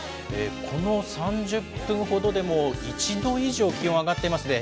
この３０分ほどでも１度以上気温が上がっていますね。